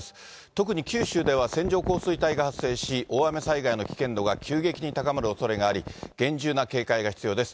特に九州では線状降水帯が発生し、大雨災害の危険度が急激に高まるおそれがあり、厳重な警戒が必要です。